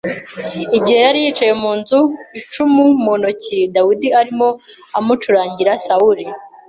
igihe yari yicaye mu nzu icumu mu ntoki Dawidi arimo amucurangira Sawuli